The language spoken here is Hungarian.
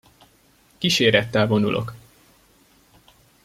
Kísérettel vonulok!